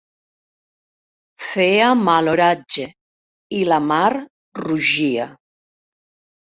Feia mal oratge i la mar rugia.